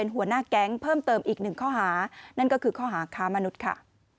หานั่นก็คือข้อหาค้ามนุษย์ค่ะ